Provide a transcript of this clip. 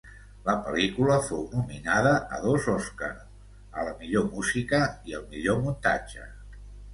La pel·lícula fou nominada a dos Oscar, a la millor música, i al millor muntatge.